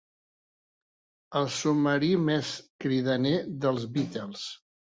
El submarí més cridaner dels Beatles.